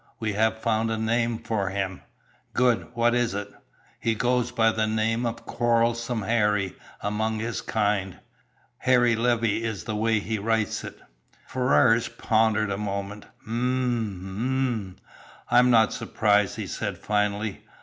We have found a name for him." "Good! What is it?" "He goes by the name of 'Quarrelsome Harry' among his kind. Harry Levey is the way he writes it." Ferrars pondered a moment "M m I'm not surprised," he said finally.